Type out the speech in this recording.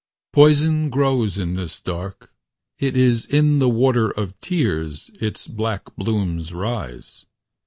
Poison grows in this dark. It is in the water of tears Its black blooms rise.